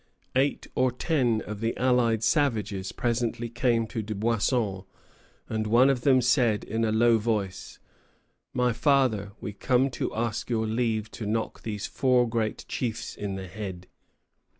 Eight or ten of the allied savages presently came to Dubuisson, and one of them said in a low voice: "My father, we come to ask your leave to knock these four great chiefs in the head.